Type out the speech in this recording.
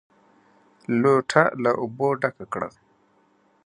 لوټه له اوبو ډکه کړه!